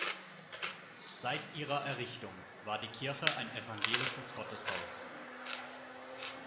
Seit ihrer Errichtung war die Kirche ein evangelisches Gotteshaus.